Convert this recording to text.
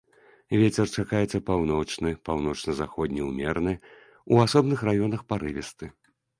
Вецер чакаецца паўночны, паўночна-заходні ўмераны, у асобных раёнах парывісты.